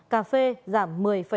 cà phê giảm một mươi bốn